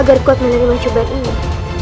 agar kuat menerima cobaan ini